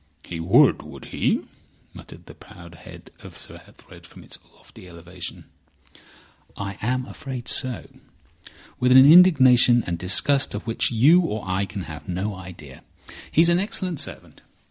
"He would, would he?" muttered the proud head of Sir Ethelred from its lofty elevation. "I am afraid so—with an indignation and disgust of which you or I can have no idea. He's an excellent servant.